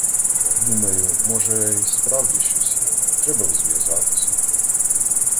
— Думаю, може, й справді щось є — треба б зв'язатися.